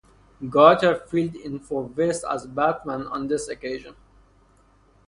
Gautier filled in for West as Batman on this occasion.